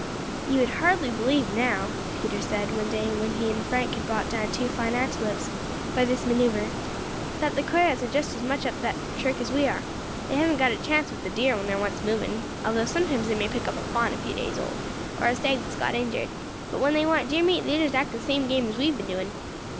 "You would hardly believe, now," Peter said, one day when he and Frank had brought down two fine antelopes by this manoeuvre, "that the coyotes are just as much up to that trick as we are. They haven't got a chance with the deer when they are once moving, although sometimes they may pick up a fawn a few days old, or a stag that has got injured; but when they want deer meat they just act the same game as we have been doing.